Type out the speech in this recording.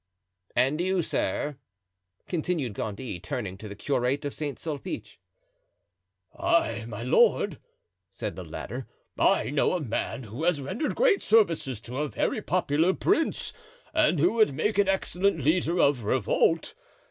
"And you, sir?" continued Gondy, turning to the curate of St. Sulpice. "I, my lord," said the latter, "I know a man who has rendered great services to a very popular prince and who would make an excellent leader of revolt.